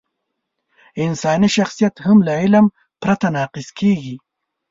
انساني شخصیت هم له علم پرته ناقص کېږي.